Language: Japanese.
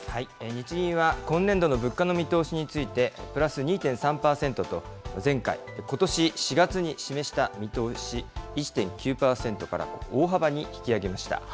日銀は今年度の物価の見通しについて、プラス２．３％と、前回・ことし４月に示した見通し、１．９％から大幅に引き上げました。